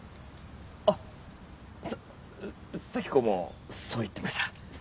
あっさっ早季子もそう言ってました。